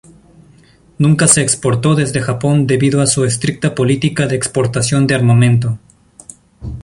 Nunca se exportó desde Japón debido a su estricta política de exportación de armamento.